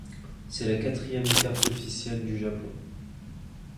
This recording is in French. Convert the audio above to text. C'est la quatrième carte officielle du Japon.